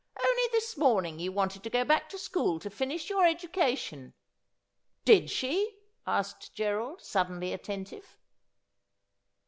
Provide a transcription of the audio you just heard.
' Only this morning you wanted to go back to school to finish your education.' ' Did she ?' asked Gerald, suddenly attentive.